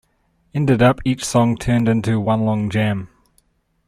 Ended up each song turned into one long jam.